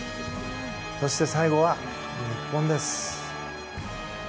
そして最後は、日本です。